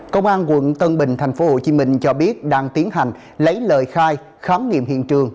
công an quận tân bình tp hcm cho biết đang tiến hành lấy lời khai khám nghiệm hiện trường